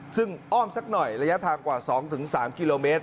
ซึ่งอ้อมสักหน่อยระยะทางกว่า๒๓กิโลเมตร